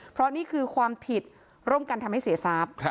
เพราะนี่คือความผิดร่วมกันทำให้เสียทรัพย์